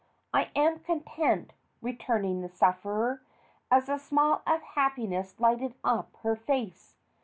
"I am content," returned the sufferer, as a smile of happiness lighted up her face.